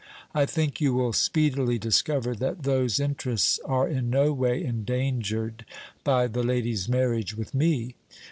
I think you will speedily discover that those interests are in no way endangered by the lady's marriage with me.